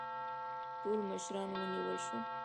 ټول مشران ونیول شول.